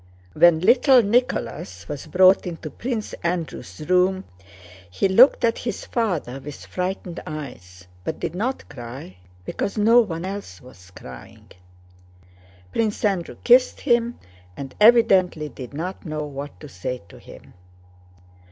When little Nicholas was brought into Prince Andrew's room he looked at his father with frightened eyes, but did not cry, because no one else was crying. Prince Andrew kissed him and evidently did not know what to say to him.